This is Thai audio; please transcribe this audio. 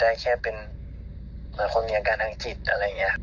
ได้แค่เป็นแบบควมเนียงอาการทางจิตและแบบนี้